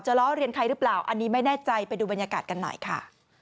ล้อเรียนใครหรือเปล่าอันนี้ไม่แน่ใจไปดูบรรยากาศกันหน่อยค่ะ